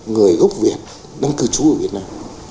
người gốc việt đang cư trú ở việt nam